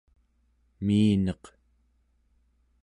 miineq